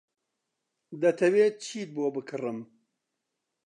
دەتەوێت چیت بۆ بکڕم؟